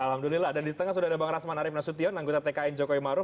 alhamdulillah dan di tengah sudah ada bang rasman arief nasution anggota tkn jokowi maruf